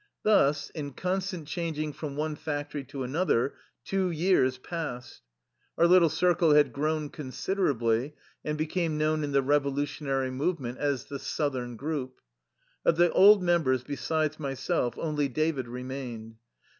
Thus, in constant changing from one factory to another, two years passed. Our little circle had grown considerably, and became known in the revolutionary movement as the " Southern Group." Of the old members, besides myself, only David remained.